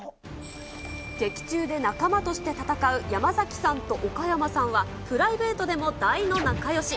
劇中で仲間として戦う山崎さんと岡山さんは、プライベートでも大の仲よし。